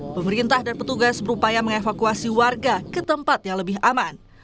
pemerintah dan petugas berupaya mengevakuasi warga ke tempat yang lebih aman